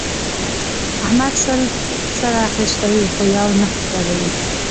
احمد سل سره خيشتوي؛ خو يو نه خرېي.